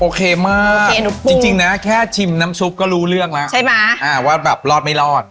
โอเคมากจริงนะแค่ชิมน้ำซุปก็รู้เรื่องแล้วใช่ไหมว่าแบบรอดไม่รอด